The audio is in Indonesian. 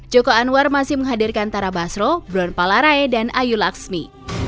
joko anwar masih menghadirkan tara basro bron palarai dan ayu laksmi